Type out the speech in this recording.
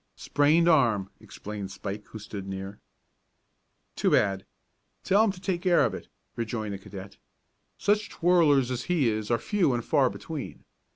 "Sprained arm," explained Spike, who stood near. "Too bad! Tell him to take care of it," rejoined the cadet. "Such twirlers as he is are few and far between.